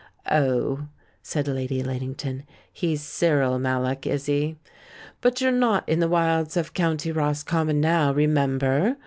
"Oh," said Lady Liddington, "he's Cyril Mal lock, is he? But you're not in the wilds of County Roscommon now, remember